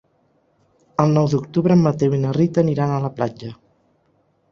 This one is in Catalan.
El nou d'octubre en Mateu i na Rita aniran a la platja.